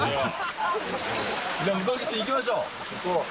じゃあ向こう岸、行きましょう。